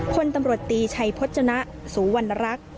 คนตำรวจตีชายพจนะสู้วัลนรัก